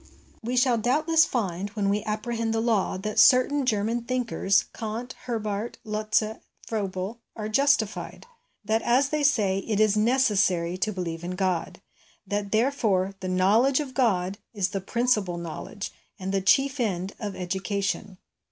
We shall doubtless find, when we apprehend the law, that certain German thinkers Kant, Herbart, Lotze, Froebel are justified ; that, as they say, it is ' necessary ' to believe in God ; that, therefore, the knowledge of God is the principal know ledge, and the chief end of education.